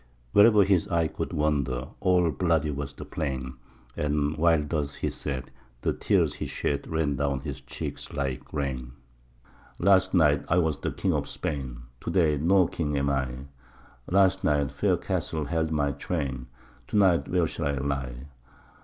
Where'er his eye could wander, all bloody was the plain, And while thus he said, the tears he shed ran down his cheeks like rain: "Last night I was the King of Spain to day no king am I; Last night fair castles held my train to night where shall I lie?